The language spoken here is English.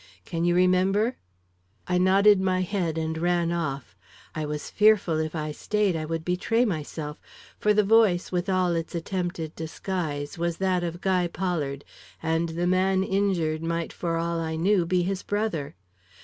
Can you remember?' "I nodded my head and ran off. I was fearful, if I stayed, I would betray myself; for the voice, with all its attempted disguise, was that of Guy Pollard, and the man injured might for all I knew be his brother.